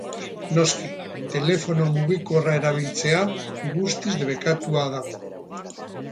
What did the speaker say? Noski, telefono mugikorra erabiltzea guztiz debekatua dago.